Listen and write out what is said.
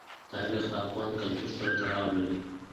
تاریخ د افغان کلتور سره تړاو لري.